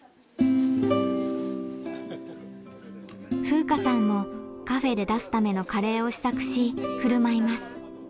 風夏さんもカフェで出すためのカレーを試作し振る舞います。